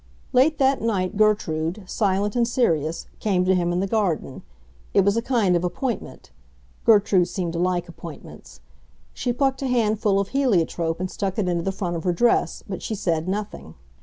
Late that night Gertrude, silent and serious, came to him in the garden; it was a kind of appointment. Gertrude seemed to like appointments. She plucked a handful of heliotrope and stuck it into the front of her dress, but she said nothing.